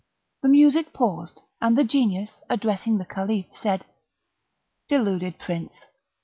The music paused, and the Genius, addressing the Caliph, said: "Deluded Prince!